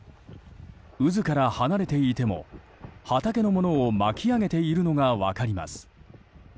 渦から離れていても、畑のものを巻き上げているのが分かります。